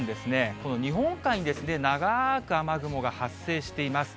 この日本海に長く雨雲が発生しています。